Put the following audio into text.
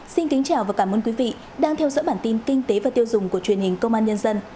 xin kính chào và cảm ơn quý vị đang theo dõi bản tin kinh tế và tiêu dùng của truyền hình công an nhân dân